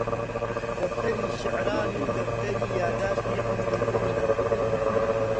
دەفتەری شیعران و دەفتەرێکی یادداشتی عومری خۆم نارد